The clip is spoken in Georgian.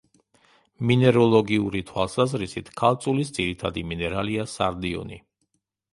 მინეროლოგიური თვალსაზრისით, ქალწულის ძირითადი მინერალია: სარდიონი.